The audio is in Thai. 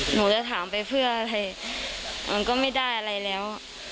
หนูจะถามไปเพื่ออะไรมันก็ไม่ได้อะไรแล้ว